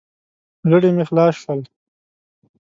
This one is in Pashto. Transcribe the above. غړي مې خلاص شول.